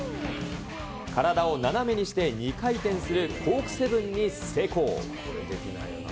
体を斜めにして２回転するコークセブンに成功。